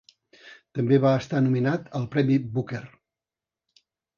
També va estar nominat al premi Booker.